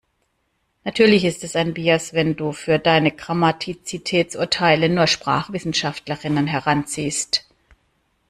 Natürlich ist es ein Bias, wenn du für deine Grammatizitätsurteile nur SprachwissenschaftlerInnen heranziehst.